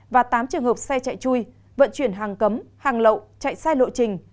và tám trường hợp xe chạy chui vận chuyển hàng cấm hàng lậu chạy sai lộ trình